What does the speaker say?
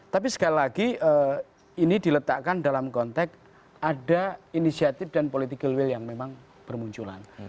tapi sekali lagi ini diletakkan dalam konteks ada inisiatif dan political will yang memang bermunculan